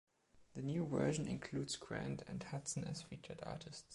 The new version includes Grande and Hudson as featured artists.